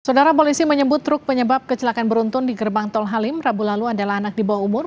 saudara polisi menyebut truk penyebab kecelakaan beruntun di gerbang tol halim rabu lalu adalah anak di bawah umur